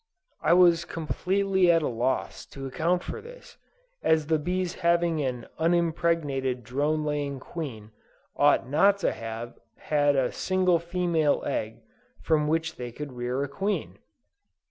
I was completely at a loss to account for this, as the bees having an unimpregnated drone laying Queen, ought not to have had a single female egg from which they could rear a Queen.